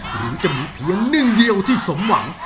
หรือจะมีเพียงหนึ่งเดียวที่สมหวัง